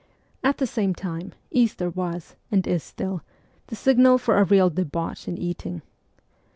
At the same time, Easter was, and is still, the sig nal for a real debauch in eating.